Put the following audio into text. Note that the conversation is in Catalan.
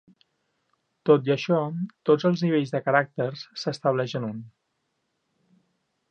Tot i això, tots els nivells de caràcters s'estableix en un.